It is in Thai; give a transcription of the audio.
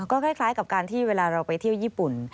ก็คล้ายกับการที่เวลาเราไปเที่ยวญี่ปุ่น